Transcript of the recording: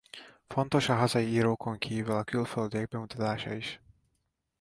Fontos a hazai írókon kívül a külföldiek bemutatása is.